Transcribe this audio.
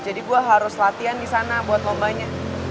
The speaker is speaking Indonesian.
jadi gue harus latihan di sana buat lombanya